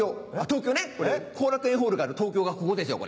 東京ね後楽園ホールがある東京がここですよ。